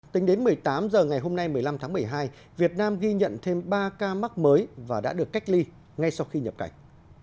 tính đến một mươi tám h ngày hôm nay một mươi năm tháng một mươi hai việt nam ghi nhận thêm ba ca mắc mới và đã được cách ly ngay sau khi nhập cảnh